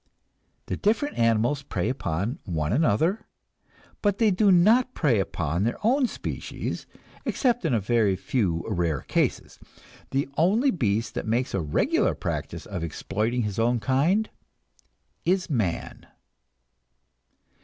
The different animals prey upon one another, but they do not prey upon their own species, except in a few rare cases. The only beast that makes a regular practice of exploiting his own kind is man.